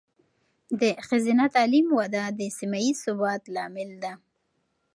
د ښځینه تعلیم وده د سیمه ایز ثبات لامل ده.